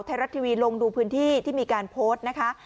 ไทยรัฐทีวีลงดูพื้นที่ที่มีการโพสต์นะคะ